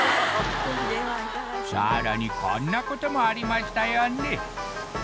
さらにこんなこともありましたよね